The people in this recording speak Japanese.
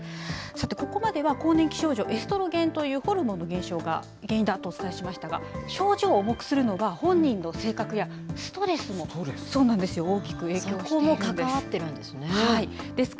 さて、ここまでは更年期症状、エストロゲンというホルモンの減少が原因だとお伝えしましたが、症状を重くするのが、本人の性格や、ストレスも大きく影響しているんです。